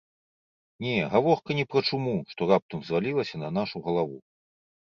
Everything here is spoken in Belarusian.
Не, гаворка не пра чуму, што раптам звалілася на нашу галаву.